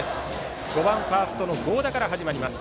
５番ファーストの合田から始まります。